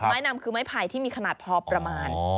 นำคือไม้ไผ่ที่มีขนาดพอประมาณ